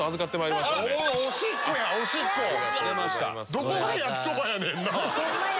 どこが焼きそばやねん！